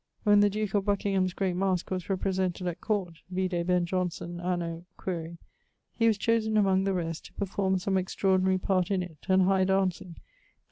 When the duke of Buckingham's great masque was represented at court (vide Ben Jonson), anno ... (quaere), he was chosen (among the rest) to performe some extraordinary part in it, and high danceing, i.